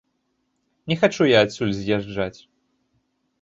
Не хачу я адсюль з'язджаць.